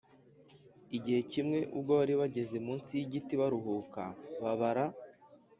Igihe kimwe, ubwo bari bageze munsi y’igiti baruhuka, babara